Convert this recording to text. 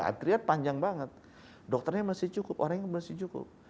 atriat panjang banget dokternya masih cukup orangnya masih cukup